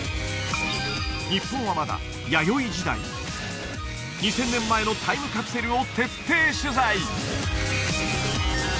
日本はまだ２０００年前のタイムカプセルを徹底取材